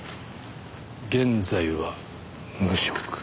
現在は無職。